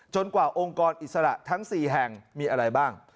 กว่าองค์กรอิสระทั้ง๔แห่งมีอะไรบ้าง